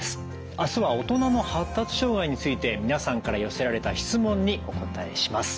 明日は「大人の発達障害」について皆さんから寄せられた質問にお答えします。